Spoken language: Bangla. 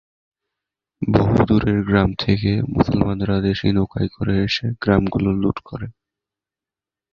বহু দূরের গ্রাম থেকে মুসলমানরা দেশি নৌকায় করে এসে গ্রামগুলো লুঠ করে।